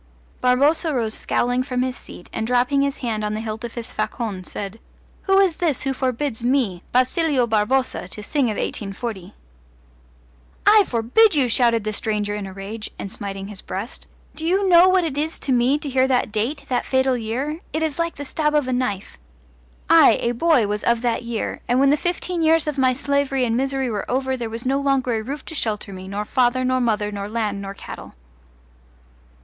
Barboza rose scowling from his seat, and dropping his hand on the hilt of his facon said: "Who is this who forbids me, Basilio Barboza, to sing of 1840?" "I forbid you!" shouted the stranger in a rage and smiting his breast. "Do you know what it is to me to hear that date that fatal year? It is like the stab of a knife. I, a boy, was of that year; and when the fifteen years of my slavery and misery were over there was no longer a roof to shelter me, nor father nor mother nor land nor cattle!"